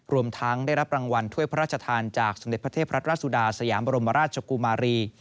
รวมทั้งได้รับรางวัลถ้วยพระราชทานจากสมเด็จพระเทพรัฐราชสุดาสยามบรมราชกุมารี